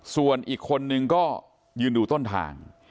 ส่วนอีกคนนึงก็ยืนดูต้นทาง